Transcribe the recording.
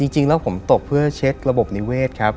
จริงแล้วผมตกเพื่อเช็คระบบนิเวศครับ